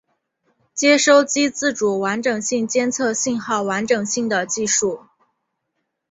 接收机自主完整性监测信号完整性的技术。